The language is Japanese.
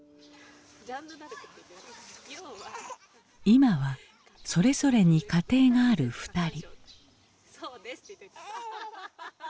今はそれぞれに家庭がある２人。